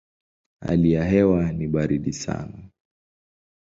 Hali ya hewa ni baridi sana.